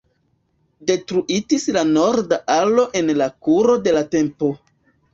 Detruitis la norda alo en la kuro de la tempo.